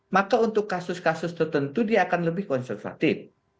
maka untuk kasus kasus tertentu dia akan lebih konservatif